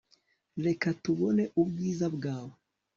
reka tubone ubwiza bwawe